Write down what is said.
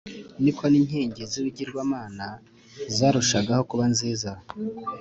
ni ko n’inkingi z’ibigirwamana zarushagaho kuba nziza.